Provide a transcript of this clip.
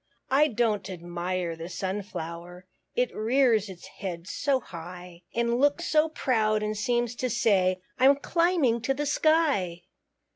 I don't admire the Sunflower, It rears its head so high; And looks so proud, and seems to say, "I'm climbing to the sky."